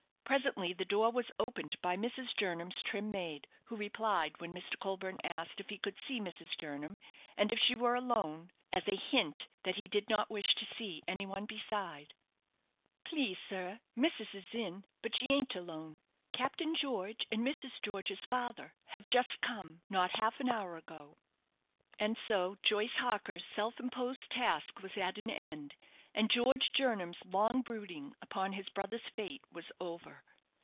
Presently the door was opened by Mrs. Jernam's trim maid, who replied, when Mr. Colburne asked if he could see Mrs. Jernam, and if she were alone as a hint that he did not wish to see any one beside "Please, sir, missus is in, but she ain't alone; Captain George and Mrs. George's father have just come not half an hour ago." And so Joyce Harker's self imposed task was at an end, and George Jernam's long brooding upon his brother's fate was over.